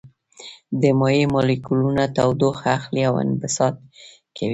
د مایع مالیکولونه تودوخه اخلي او انبساط کوي.